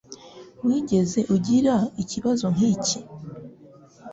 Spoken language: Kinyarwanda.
Wigeze ugira ikibazo nkiki?